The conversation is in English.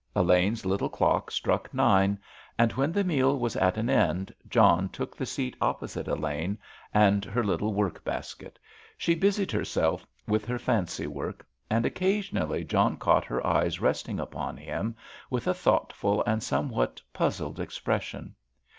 Elaine's little clock struck nine, and when the meal was at an end John took the seat opposite Elaine and her little work basket. She busied herself with her fancy work, and occasionally John caught her eyes resting upon him with a thoughtful and somewhat puzzled expression.